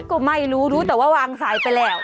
ก็ไม่รู้รู้แต่ว่าวางสายไปแล้ว